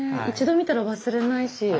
一度見たら忘れないし。